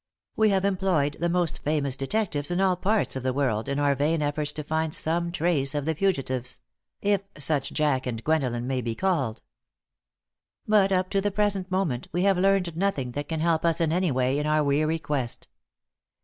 We have employed the most famous detectives in all parts of the world in our vain efforts to find some trace of the fugitives if such Jack and Gwendolen may be called. But, up to the present moment, we have learned nothing that can help us in any way in our weary quest.